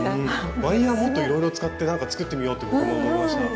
ワイヤーもっといろいろ使ってなんか作ってみようと僕も思いました。